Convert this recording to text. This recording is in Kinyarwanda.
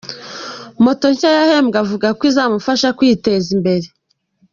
Moto nshya yahembwe avuga ko izamufasha kwiteza imbere.